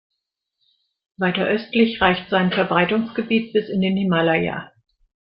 Weiter östlich reicht sein Verbreitungsgebiet bis in den Himalaya.